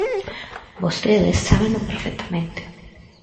Vostedes sábeno perfectamente.